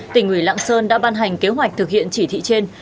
tỉnh ủy lạng sơn đã ban hành kế hoạch thực hiện chỉ thị trên